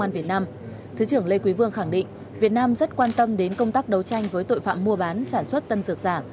việt nam rất quan tâm đến công tác đấu tranh với tội phạm mua bán sản xuất tân dược giả